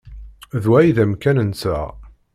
D wa ay d amkan-nteɣ.